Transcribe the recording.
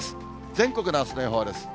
全国のあすの予想です。